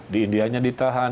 di indianya ditahan